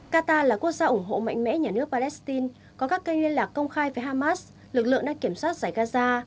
qatar là quốc gia ủng hộ mạnh mẽ nhà nước palestine có các kênh liên lạc công khai với hamas lực lượng đang kiểm soát giải gaza